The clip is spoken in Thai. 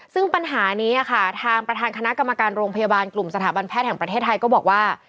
ซึ่งปัญหานี้ค่ะทางประธานคณะกรรมการโรงพยาบาลกลุ่มสถาบันแพทย์แห่งประเทศไทยก็บอกว่า